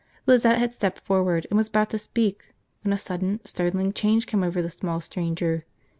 Lizette had stepped forward and was about to speak when a sudden, startling change came over the small stranger.